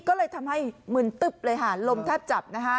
ก็เลยทำให้มืนตึบเลยลมทับจับ